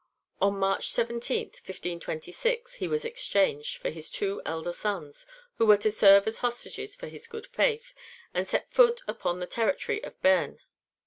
On March 17th, 1526, he was exchanged for his two elder sons, who were to serve as hostages for his good faith, and set foot upon the territory of Beam.